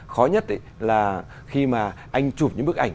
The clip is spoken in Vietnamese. khó nhất là khi mà anh chụp những bức ảnh